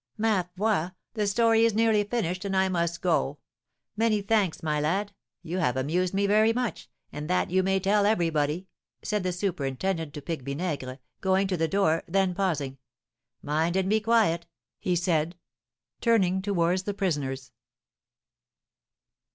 "Ma foi! The story is nearly finished, and I must go. Many thanks, my lad, you have amused me very much, and that you may tell everybody," said the superintendent to Pique Vinaigre, going to the door; then pausing, "Mind and be quiet," he said, turning towards the prisoners.